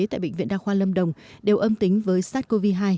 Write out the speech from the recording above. tại bệnh viện đa khoa lâm đồng đều âm tính với sars cov hai